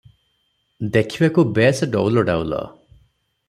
ଦେଖିବାକୁ ବେଶ ଡଉଲ ଡାଉଲ ।